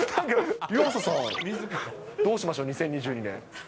湯浅さん、どうしましょう、２０２２年。